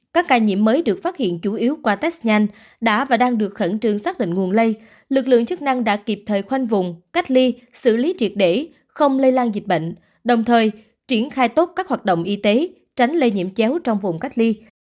các ca nhiễm mới được phát hiện chủ yếu qua test nhanh đã và đang được khẩn trương xác định nguồn lây lực lượng chức năng đã kịp thời khoanh vùng cách ly xử lý triệt để không lây lan dịch bệnh đồng thời triển khai tốt các hoạt động y tế tránh lây nhiễm chéo trong vùng cách ly